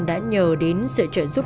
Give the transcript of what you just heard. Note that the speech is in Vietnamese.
đã nhờ đến sự trợ giúp